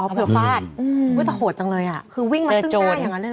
อ๋อเผื่อฝาดแต่โหดจังเลยคือวิ่งมาซึ่งหน้าอย่างนั้นเลยเหรอ